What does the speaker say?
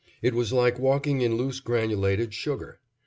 It was like walking in loose granulated sugar.